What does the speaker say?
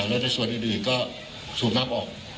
แล้วในส่วนอื่นก็สูบน้ำออก